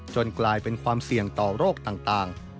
กลายเป็นความเสี่ยงต่อโรคต่าง